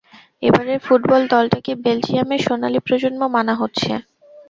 এবারের ফুটবল দলটাকে বেলজিয়ামের সোনালি প্রজন্ম মানা হচ্ছে।